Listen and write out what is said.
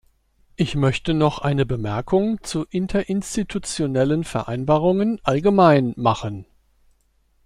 Ich möchte noch eine Bemerkung zu interinstitutionellen Vereinbarungen allgemein machen.